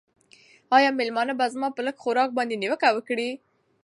آیا مېلمانه به زما په لږ خوراک باندې نیوکه وکړي؟